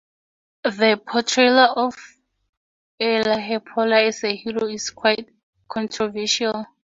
The portrayal of Ehelepola as a hero is quite controversial.